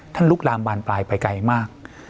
ลุกลามบานปลายไปไกลมาก